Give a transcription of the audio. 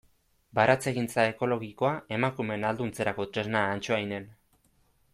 Baratzegintza ekologikoa emakumeen ahalduntzerako tresna Antsoainen.